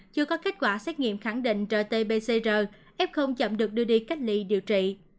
chưa có kết quả xét nghiệm khẳng định rt pcr f chậm được đưa đi cách ly điều trị